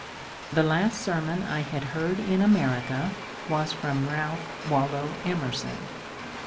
The last sermon I had heard in America was from Ralph Waldo Emerson.